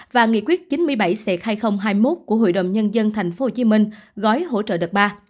và nghị quyết chín mươi bảy c hai nghìn hai mươi một của hội đồng nhân dân tp hcm gói hỗ trợ đợt ba